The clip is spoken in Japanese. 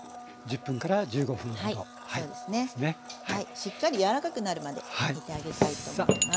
しっかり柔らかくなるまで煮てあげたいと思います。